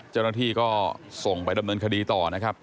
เจ้าหน้าที่ก็ส่งไปดำเนินคดีต่อนะครับ